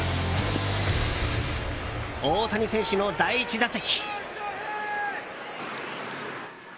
大谷選手の第１打席。